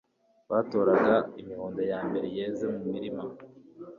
Batoraga amahundo ya mbere yeze mu mirima,